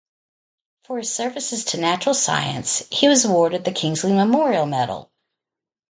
For his services to natural science he was awarded the Kingsley Memorial Medal.